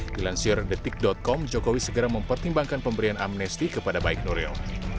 dilansir detik com jokowi segera mempertimbangkan pemberian amnesti kepada baik nuril